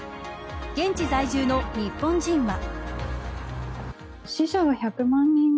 現地在住の日本人は。